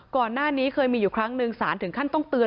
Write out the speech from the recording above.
ก่อนหน้านี้เคยมีอยู่ครั้งหนึ่งสารถึงขั้นต้องเตือน